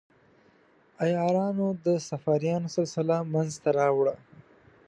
عیارانو د صفاریانو سلسله منځته راوړه.